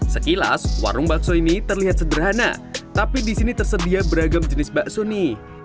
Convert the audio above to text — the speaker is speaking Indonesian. sekilas warung bakso ini terlihat sederhana tapi di sini tersedia beragam jenis bakso nih